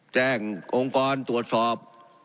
แจ้งองค์กรตรวจสอบ